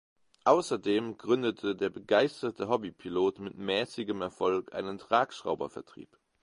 Außerdem gründete der begeisterte Hobby–Pilot mit mäßigem Erfolg einen Tragschrauber–Vertrieb.